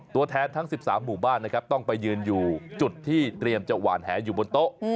ตัวแทนทั้ง๑๓หมู่บ้านนะครับต้องไปยืนอยู่จุดที่เตรียมจะหวานแหอยู่บนโต๊ะ